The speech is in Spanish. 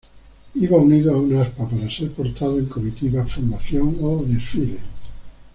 Iba unido a un asta para ser portado en comitiva, formación o desfile.